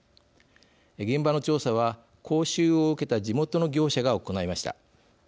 現場の調査は講習を受けた地元の業者が行いました。